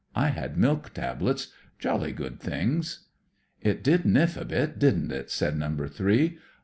I had miik tablets; jolly good things." "It did niff a bit, didn't it?" said number tbjee.